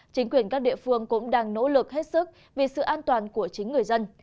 chính quyền các địa phương cũng đang nỗ lực hết sức vì sự an toàn của chính người dân